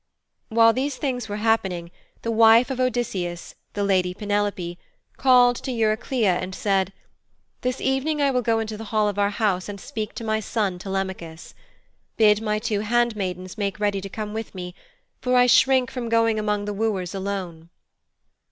While these things were happening, the wife of Odysseus, the lady Penelope, called to Eurycleia, and said, 'This evening I will go into the hall of our house and speak to my son, Telemachus. Bid my two handmaidens make ready to come with me, for I shrink from going amongst the wooers alone.'